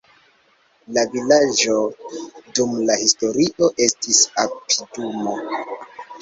La vilaĝo dum la historio estis opidumo.